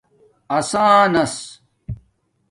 اسݳنس